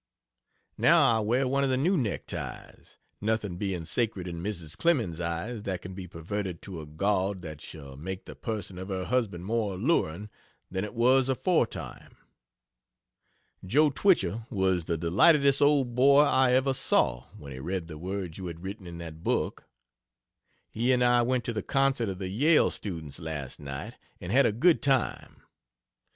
Now I wear one of the new neck ties, nothing being sacred in Mrs. Clemens's eyes that can be perverted to a gaud that shall make the person of her husband more alluring than it was aforetime. Jo Twichell was the delightedest old boy I ever saw, when he read the words you had written in that book. He and I went to the Concert of the Yale students last night and had a good time. Mrs.